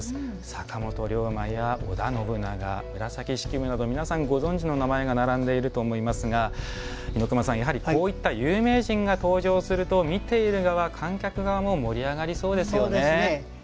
坂本龍馬や織田信長、紫式部など皆さんご存じの名前が並んでいると思いますが猪熊さん、やはりこういった有名人が登場すると見ている側観客側も盛り上がりそうですよね。